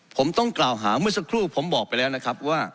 ผมต้องกล่าวหาเมื่อสักครู่ผมบอกไปแล้วนะครับว่า